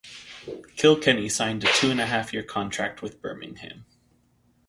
Kilkenny signed a two-and-a-half-year contract with Birmingham.